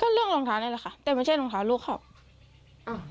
เขาก็เรื่องรองท้านี่แหละค่ะแต่ไม่ใช่รองท้าลูกเขาอ้าว